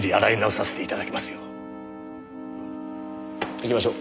行きましょう。